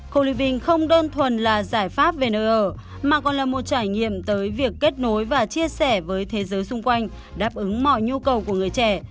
cleaving không đơn thuần là giải pháp về nơi ở mà còn là một trải nghiệm tới việc kết nối và chia sẻ với thế giới xung quanh đáp ứng mọi nhu cầu của người trẻ